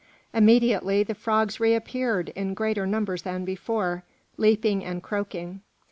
Immediately the frogs reappeared in greater numbers than before, leaping and croaking.